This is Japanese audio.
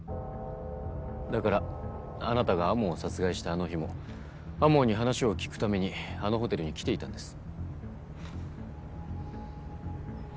だからあなたが天羽を殺害したあの日も天羽に話を聞くためにあのホテルに来ていたんです。